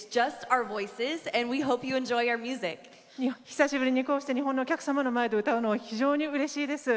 久しぶりに、こうして日本のお客様の前で歌えるのは非常にうれしいです。